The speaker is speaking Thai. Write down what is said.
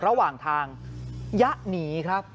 ระหว่างทางยะหนีครับ